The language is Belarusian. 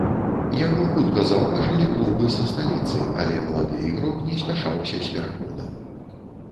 Яго хутка заўважылі клубы са сталіцы, але малады ігрок не спяшаўся з пераходам.